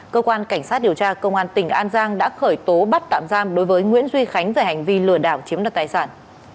cơ quan cảnh sát điều tra công an tỉnh an giang đã khởi tố bắt tạm giam đối với nguyễn duy khánh về hành vi lừa đảo chiếm đoạt tài sản